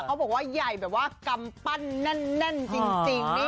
เขาบอกว่าใหญ่แบบว่ากำปั้นแน่นจริง